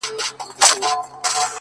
لمر چي د ميني زوال ووهي ويده سمه زه!